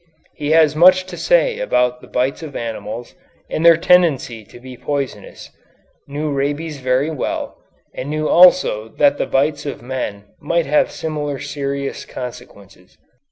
He has much to say about the bites of animals and their tendency to be poisonous, knew rabies very well, and knew also that the bites of men might have similar serious consequences.